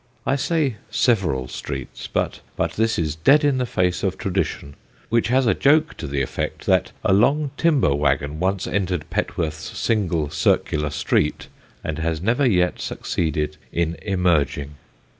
I say several streets, but this is dead in the face of tradition, which has a joke to the effect that a long timber waggon once entered Petworth's single, circular street, and has never yet succeeded in emerging.